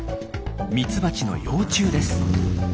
ミツバチの幼虫です。